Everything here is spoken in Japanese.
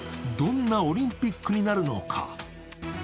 どんなオリンピックになるのか。